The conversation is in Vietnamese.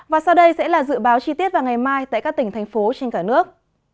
và sau đây sẽ là dự báo chi tiết vào ngày mai tại các tỉnh thành phố trên cả nước